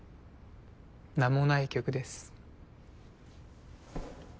名もない曲です